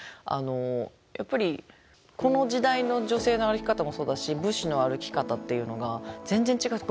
やっぱりこの時代の女性の歩き方もそうだし武士の歩き方っていうのが全然違うっていうか